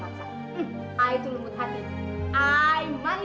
saya akan menganggap anda sebagai anak saya